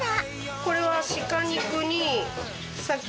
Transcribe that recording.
これは。